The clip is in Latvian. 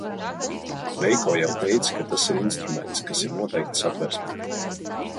Veiko jau teica, ka tas ir instruments, kas ir noteikts Satversmē.